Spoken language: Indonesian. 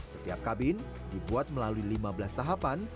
setiap kabin dibuat melalui lima belas tahapan